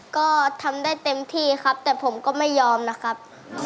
ก็ทำได้เต็มที่ครับแต่ผมก็ไม่ยอมนะครับ